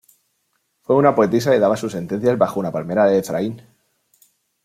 Fue una poetisa y daba sus sentencias bajo una palmera de Efraín.